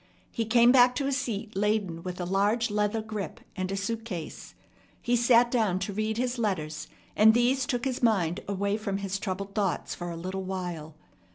He came back to his seat laden with a large leather grip and a suitcase. He sat down to read his letters, and these took his mind away from his troubled thoughts for a little while.